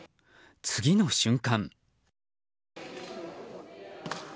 次の瞬間。